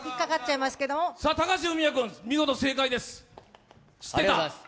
高橋文哉君見事正解です、知ってた？